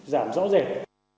giảm rõ rệt